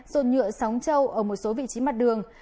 dồn nhựa sóng châu ở một số vị trí mặt đường